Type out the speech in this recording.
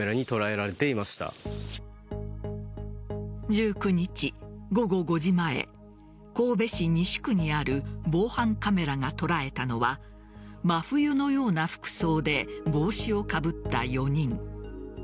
１９日午後５時前神戸市西区にある防犯カメラが捉えたのは真冬のような服装で帽子をかぶった４人。